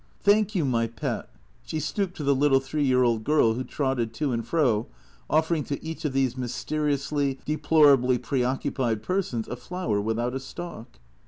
" Thank you, my pet." She stooped to the little three year old girl who trotted to and fro, offering to each of these mys teriously, deplorably preoccupied persons a flower without a stalk.